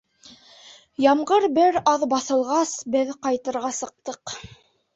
Ямғыр бер аҙ баҫылғас, беҙ ҡайтырға сыҡтыҡ.